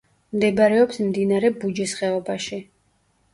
მდებარეობს მდინარე ბუჯის ხეობაში.